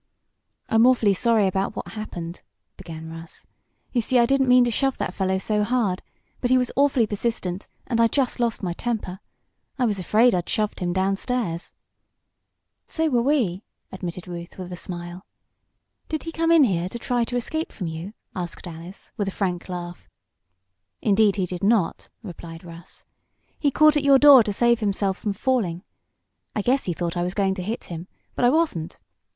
"I'm awfully sorry about what happened," began Russ. "You see I didn't mean to shove that fellow so hard. But he was awfully persistent, and I just lost my temper. I was afraid I'd shoved him downstairs." "So were we," admitted Ruth, with a smile. "Did he try to come in here, to escape from you?" asked Alice, with a frank laugh. "Indeed he did not," replied Russ. "He caught at your door to save himself from falling. I guess he thought I was going to hit him; but I wasn't.